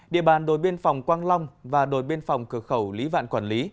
địa bàn đồi biên phòng quang long và đồi biên phòng cửa khẩu lý vạn quản lý